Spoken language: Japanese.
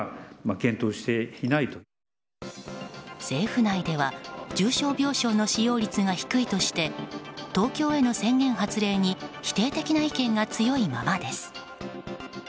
政府内では重症病床の使用率が低いとして東京への宣言発令に否定的な意見が強いままです。